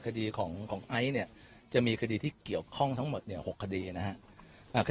คดีของไอซ์เนี่ยจะมีคดีที่เกี่ยวข้องทั้งหมด๖คดีนะครับ